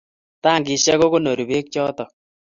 Tankishek ko konori peek chotok